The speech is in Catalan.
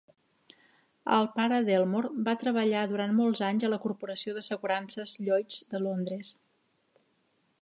El pare d'Helmore va treballar durant molts anys a la corporació d'assegurances Lloyd's de Londres.